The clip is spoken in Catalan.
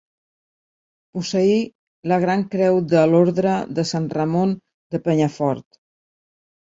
Posseí la Gran Creu de l'Orde de Sant Ramon de Penyafort.